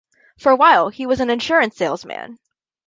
For a while, he was an insurance salesman.